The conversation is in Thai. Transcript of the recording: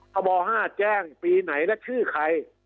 พอตะบอห้าแจ้งปีไหนแล้วชื่อใคร